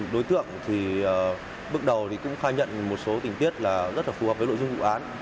đối tượng thì bước đầu thì cũng khai nhận một số tình tiết là rất là phù hợp với nội dung vụ án